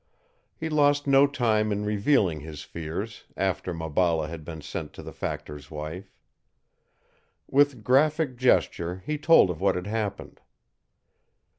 He lost no time in revealing his fears, after Maballa had been sent to the factor's wife. With graphic gesture he told of what had happened.